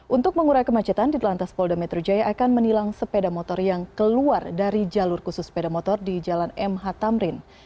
untuk mengurai kemacetan di telantas polda metro jaya akan menilang sepeda motor yang keluar dari jalur khusus sepeda motor di jalan mh tamrin